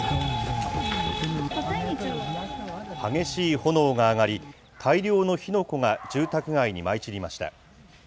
激しい炎が上がり、大量の火の粉が住宅街に舞い散りました。